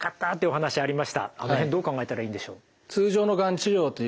あの辺どう考えたらいいんでしょう？